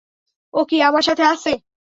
ও কি আমার সাথে আছে?